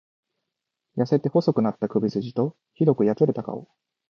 痩せて細くなった首すじと、酷くやつれた顔。